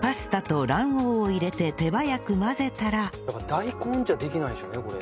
大根じゃできないんでしょうねこれ。